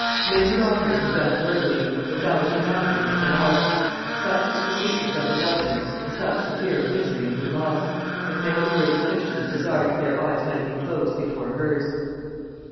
Many daughters have done worthily, but thou surmountedest them all. Such was the sweetness of her government and such the fear of misery in her loss, that many worthy christians desired that their eyes might be closed before hers....